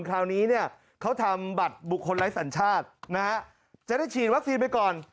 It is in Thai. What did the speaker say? คราวนี้เขาทำบัตรบุคคลไลท์สัญชาติจะได้ฉีดวัคซีนไปก่อน